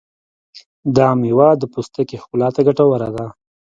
دا مېوه د پوستکي ښکلا ته ګټوره ده.